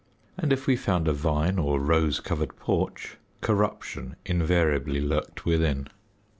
And if we found a vine or rose covered porch, corruption invariably lurked within.